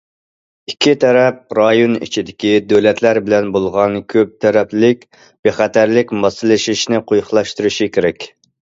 ئىككى تەرەپ رايون ئىچىدىكى دۆلەتلەر بىلەن بولغان كۆپ تەرەپلىك بىخەتەرلىك ماسلىشىشنى قويۇقلاشتۇرۇشى كېرەك.